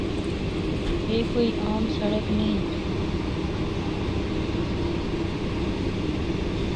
اے کوئی عام سڑک نیں۔